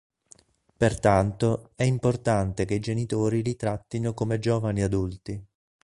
Pertanto, è importante che i genitori li trattino come giovani adulti.